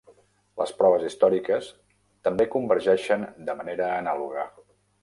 Les proves històriques també convergeixen de manera anàloga.